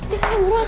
di sana buruan